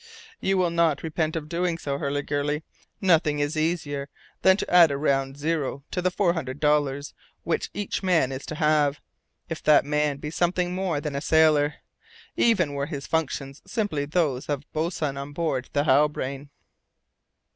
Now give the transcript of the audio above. "You will not repent of doing so, Hurliguerly. Nothing is easier than to add a round 0 to the four hundred dollars which each man is to have, if that man be something more than a sailor even were his functions simply those of boatswain on board the Halbrane."